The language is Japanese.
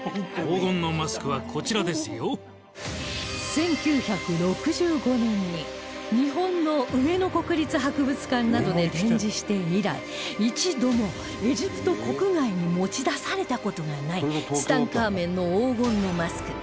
１９６５年に日本の上野・国立博物館などで展示して以来一度もエジプト国外に持ち出された事がないツタンカーメンの黄金のマスク